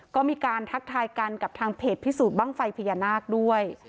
ก็มีการทักทายกันกับทางเพจพิสูจน์บ้างไฟพญานาคด้วย